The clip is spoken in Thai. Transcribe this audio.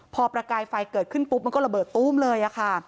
พอประกายไฟเกิดขึ้นปุ๊บมันก็ระเบิดตู้มเลยค่ะ